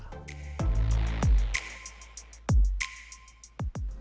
motif batik diambil dari kekayaan alam sebagai identitas maluku utara